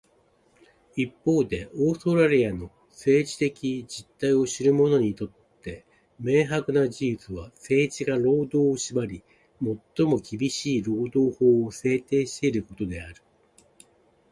一方で、オーストラリアの政治的実態を知る者にとって明白な事実は、政治が労働を縛り、最も厳しい労働法を制定していることである。